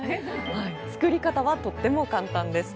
作り方はとっても簡単です。